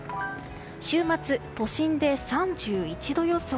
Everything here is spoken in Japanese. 週末、都心で３１度予想。